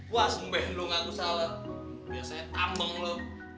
wah sumpahin lo gak usah salah biasanya tambeng lo